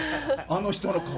あの人の顔。